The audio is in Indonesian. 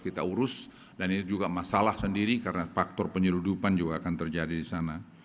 kita urus dan itu juga masalah sendiri karena faktor penyeludupan juga akan terjadi di sana